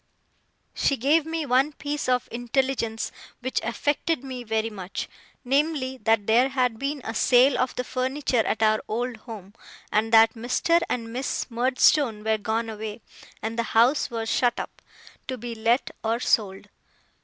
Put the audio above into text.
She gave me one piece of intelligence which affected me very much, namely, that there had been a sale of the furniture at our old home, and that Mr. and Miss Murdstone were gone away, and the house was shut up, to be let or sold.